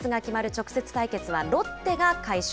直接対決はロッテが快勝。